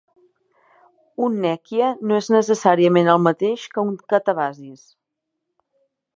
Un "nekya" no és necessàriament el mateix que un "katabasis".